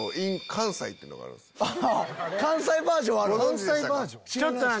関西バージョンあるん？